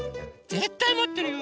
ぜったいもってるよ！